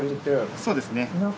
そうですね。